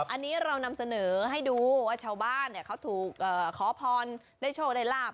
อันนี้เรานำเสนอให้ดูว่าชาวบ้านเขาถูกขอพรได้โชคได้ลาบ